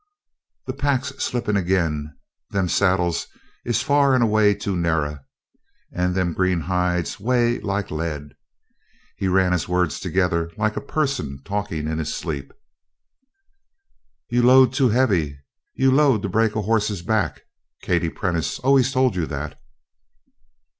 "The pack's slippin' agin them saddles is far and away too narrer and them green hides weigh like lead " He ran his words together like a person talking in his sleep. "You load too heavy you load to break a horse's back Katie Prentice always told you that."